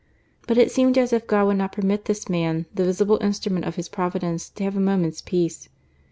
But it seemed as if God would not permit this man, the visible instrument of His Providence, to have a moment's peace.